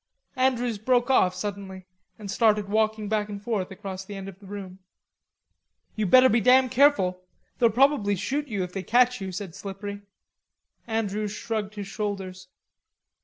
Andrews broke off suddenly, and started walking back and forth across the end of the room. "You'd better be damn careful; they'll probably shoot you if they catch you," said Slippery. Andrews shrugged his shoulders.